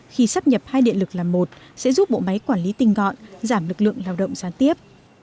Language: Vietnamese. khi sắp nhập hai điện lực là một sẽ giúp bộ máy quản lý tình gọn giảm lực lượng lao động gián tiếp